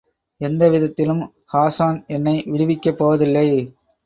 எந்த விதத்திலும் ஹாஸான் என்னை விடுவிக்கப் போவதில்லை.